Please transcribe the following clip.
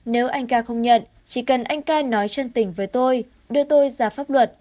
nếu anh ca không nhận chỉ cần anh ca nói chân tình với tôi đưa tôi ra pháp luật